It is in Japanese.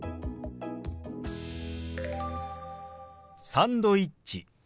「サンドイッチ」。